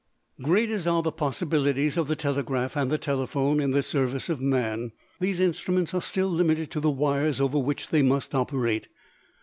Great as are the possibilities of the telegraph and the telephone in the service of man, these instruments are still limited to the wires over which they must operate.